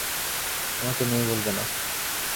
আমাকে মেয়ে বলবে না।